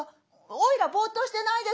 おいらボーッとしてないです」。